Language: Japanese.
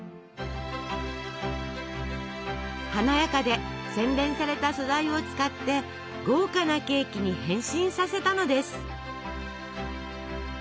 華やかで洗練された素材を使って豪華なケーキに変身させたのです。